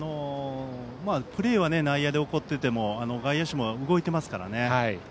プレーは内野で起こっていても外野手も動いているので。